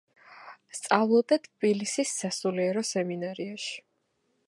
სწავლობდა ტფილისის სასულიერო სემინარიაში.